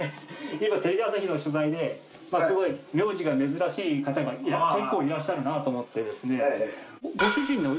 今テレビ朝日の取材ですごい名字が珍しい方が結構いらっしゃるなと思ってですね。